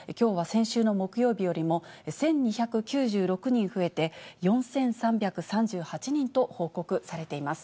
きょうは先週の木曜日よりも１２９６人増えて、４３３８人と報告されています。